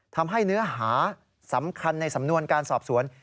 ทำให้เนื้อหาสำคัญในสำนวนการสอบสวน